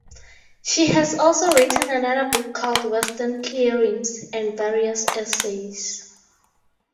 She has also written another book called "Western Clearings" and various essays.